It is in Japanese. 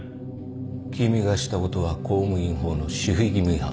君がしたことは公務員法の守秘義務違反。